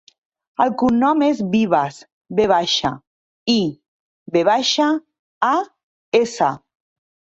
El cognom és Vivas: ve baixa, i, ve baixa, a, essa.